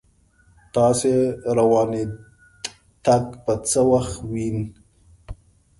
تاس روانیدتک به څه وخت وین